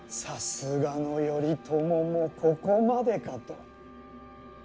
さすがの頼朝もここまでかと。